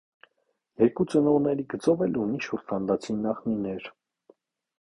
Երկու ծնողների գծով էլ ունի շոտլանդացի նախնիներ։